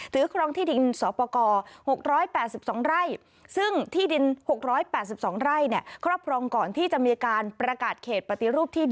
ถือกรองที่ดินสปกร๖๘๒ไร่